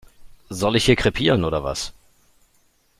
Soll ich hier krepieren oder was?